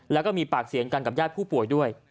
แล้วก็มีปากเสียงกันกับญาติผู้ป่วยด้วย